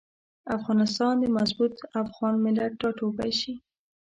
افغانستان د مضبوط افغان ملت ټاټوبی شي.